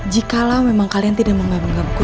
jikalau memang kalian tidak mengganggu mengganggu